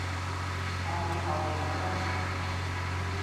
我以後唔去囉